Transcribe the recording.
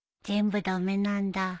全部駄目なんだ。